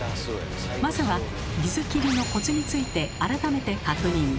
まずは水切りのコツについて改めて確認。